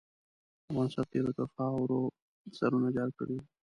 افغان سرتېرو تر خاروې سرونه جار کړل.